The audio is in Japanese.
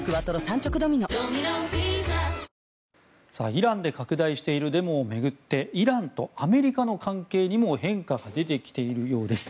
イランで拡大しているデモを巡ってイランとアメリカの関係にも変化が出てきているようです。